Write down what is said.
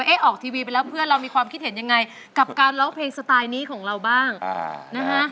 ออกทีวีไปแล้วเพื่อนเรามีความคิดเห็นยังไงกับการร้องเพลงสไตล์นี้ของเราบ้างนะฮะ